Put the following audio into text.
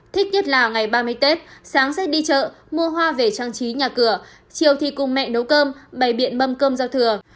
thích nhất là ngày ba mươi tết sáng sẽ đi chợ mua hoa về trang trí nhà cửa chiều thì cùng mẹ nấu cơm bày biện mâm cơm giao thừa